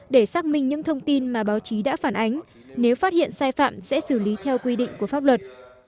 để xác minh những thông tin mà báo chí đã phản ánh nếu phát hiện sai phạm sẽ xử lý theo quy định của pháp luật